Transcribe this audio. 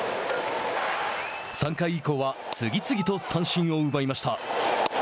３回以降は次々と三振を奪いました。